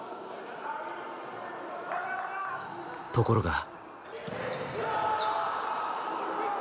ところが。